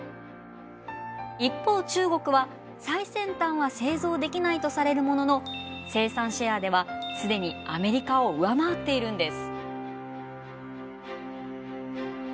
一方中国は最先端は製造できないとされるものの生産シェアでは既にアメリカを上回っているんです。